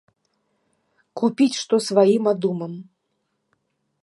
Купіць што сваім адумам.